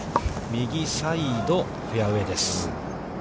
右サイド、フェアウェイです。